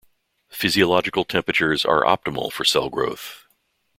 Physiological temperatures are optimal for cell growth.